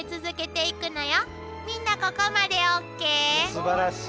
すばらしい！